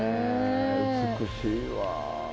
美しいわ。